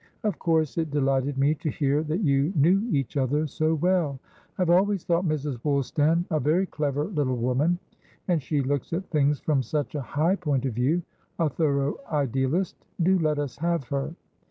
Of course it delighted me to hear that you knew each other so well. I have always thought Mrs. Woolstan a very clever little woman. And she looks at things from such a high point of viewa thorough idealist. Do let us have her.